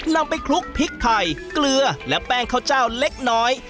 นำไปคลุกพริกไทยเกลือและแป้งข้าวเจ้าเล็กน้อย